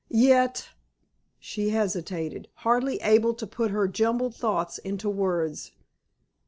"Yet—" She hesitated, hardly able to put her jumbled thoughts into words.